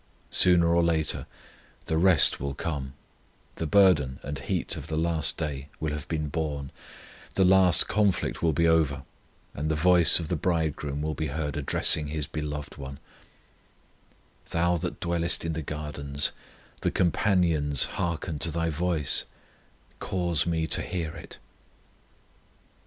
Sooner or later the rest will come, the burden and heat of the last day will have been borne, the last conflict will be over, and the voice of the Bridegroom will be heard addressing His loved one: Thou that dwellest in the gardens, The companions hearken to thy voice: Cause Me to hear it.